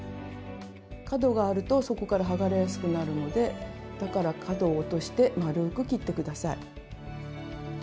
角があるとそこから剥がれやすくなるのでだから角を落としてまるく切って下さい。